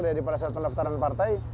dari pada saat pendaftaran partai